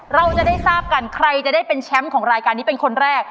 เราจะได้ทราบกันใครจะได้เป็นแชมป์ของรายการนี้เป็นคนแรก